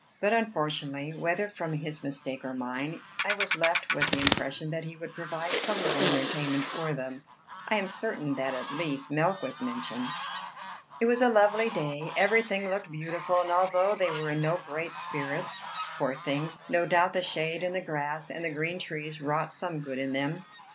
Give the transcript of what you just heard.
But unfortunately, whether from his mistake or mine, I was left with the impression that he would provide some little entertainment for them; I am certain that at least milk was mentioned. It was a lovely day; every thing looked beautiful; and although they were in no great spirits, poor things, no doubt the shade and the grass and the green trees wrought some good in them.